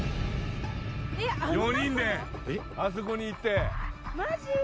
４人であそこに行って・マジ？